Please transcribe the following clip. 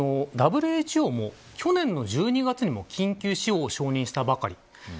ＷＨＯも去年の１２月に緊急使用を承認したばかりです。